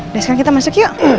deh sekarang kita masuk yuk